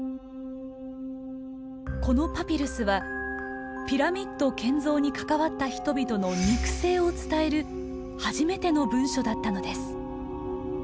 このパピルスはピラミッド建造に関わった人々の肉声を伝える初めての文書だったのです。